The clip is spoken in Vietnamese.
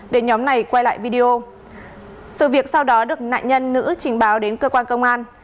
để nhóm này quay lại video sự việc sau đó được nạn nhân nữ trình báo đến cơ quan công an